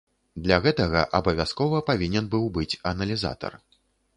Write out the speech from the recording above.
Для гэтага абавязкова павінен быў быць аналізатар.